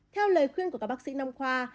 theo lời khuyên của các bác sĩ năm khoa